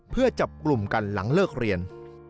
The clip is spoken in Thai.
เพื่อจับกลุ่มกันหลังเลิกเรียน